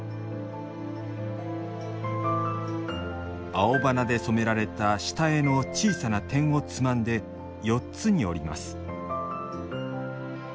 青花で染められた下絵の小さな点をつまんで４つに折ります。